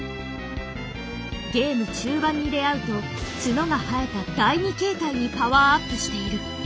ゲーム中盤に出会うと角が生えた第２形態にパワーアップしている。